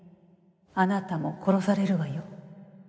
あなたも殺されるわよ。